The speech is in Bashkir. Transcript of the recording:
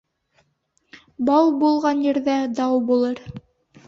Бау булған ерҙә дау булыр